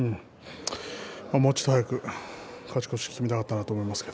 もっと早く勝ち越し決めたかったと思います。